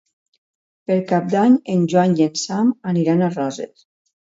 Per Cap d'Any en Joan i en Sam aniran a Roses.